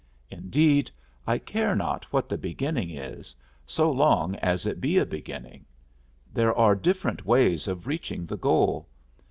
Indeed, I care not what the beginning is, so long as it be a beginning. There are different ways of reaching the goal.